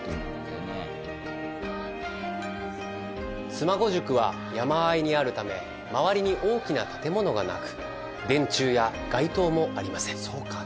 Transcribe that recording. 妻籠宿は山あいにあるため周りに大きな建物がなく電柱や街灯もありません。